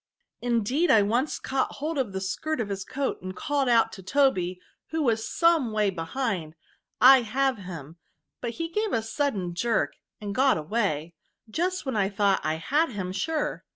Indeed I once caught hold of the skirt of his coat, and called out to Toby, who was some way behind, / have him; but he gave a sudden jirk and got away, just when I thought I had him sure.